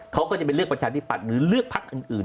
เขาก็จะไปเลือกประชาธิปัตย์หรือเลือกพักอื่น